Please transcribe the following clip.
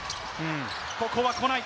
ここは来ない。